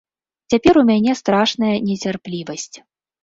Цяпер у мяне страшная нецярплівасць.